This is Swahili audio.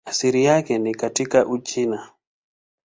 Asili yake ni katika Uchina.